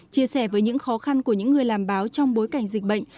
chia sẻ với những khó khăn của những người làm báo trong bối cảnh dịch bệnh